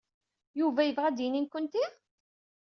Yuba yebɣa ad d-yini nekkenti?